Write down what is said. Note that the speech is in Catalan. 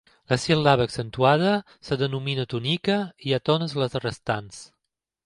La síl·laba accentuada es denomina tònica, i àtones les restants.